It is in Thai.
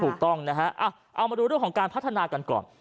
ถูกต้องนะฮะเอามาดูเรื่องของการพัฒนากันก่อน